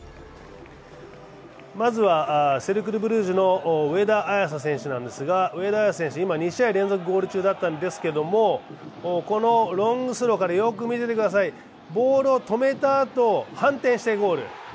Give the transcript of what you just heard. まずは、セルクル・ブリュージュの上田綺世選手なんですが上田綺世選手、２試合連続ゴール中だったんですけど、このロングスローから、よく見ててください、ボールを止めたあと、反転してゴール。